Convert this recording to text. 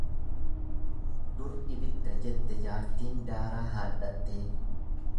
Dur ibidda jette jartiin daaraa haadhattee.